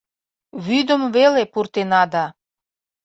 Вӱдым веле пуртена да